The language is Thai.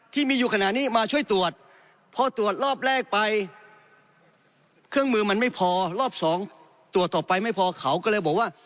ที่มีอยู่ขนาดนี้มาช่วยตรวจ